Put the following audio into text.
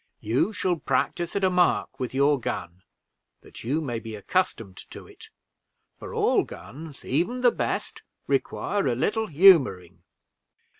You shall practice at a mark with your gun, that you may be accustomed to it; for all guns, even the best, require a little humoring."